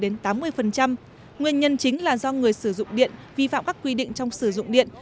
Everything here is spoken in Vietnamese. nguyên nhân chính là do người sử dụng điện vi phạm các quy định trong sử dụng điện